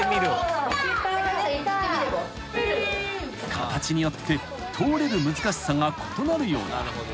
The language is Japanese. ［形によって通れる難しさが異なるようだ］